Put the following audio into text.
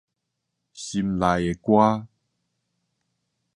心內的歌